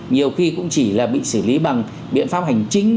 nhiều khi cũng chỉ là bị xử lý bằng biện pháp hành chính